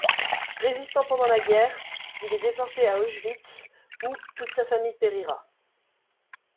Résistant pendant la guerre, il est déporté à Auschwitz où toute sa famille périra.